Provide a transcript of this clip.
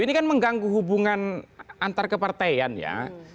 ini kan mengganggu hubungan antar kepartaian ya